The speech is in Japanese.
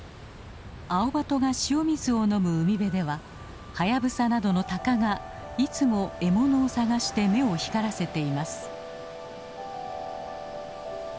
アオバトが塩水を飲む海辺ではハヤブサなどのタカがいつも獲物を探して目を光らせています。